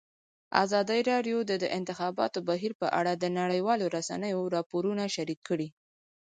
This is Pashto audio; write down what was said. ازادي راډیو د د انتخاباتو بهیر په اړه د نړیوالو رسنیو راپورونه شریک کړي.